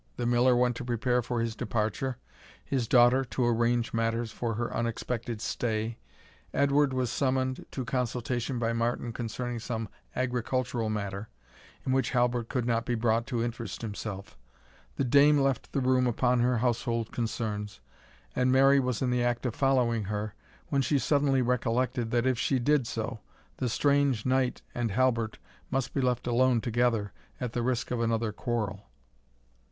The Miller went to prepare for his departure; his daughter to arrange matters for her unexpected stay; Edward was summoned to consultation by Martin concerning some agricultural matter, in which Halbert could not be brought to interest himself; the dame left the room upon her household concerns, and Mary was in the act of following her, when she suddenly recollected, that if she did so, the strange knight and Halbert must be left alone together, at the risk of another quarrel.